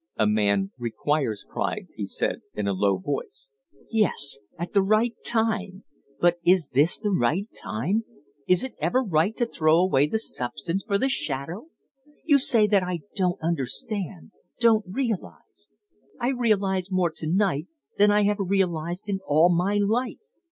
"A man requires pride," he said in a low voice. "Yes, at the right time. But is this the right time? Is it ever right to throw away the substance for the shadow? You say that I don't understand don't realize. I realize more to night than I have realized in all my life.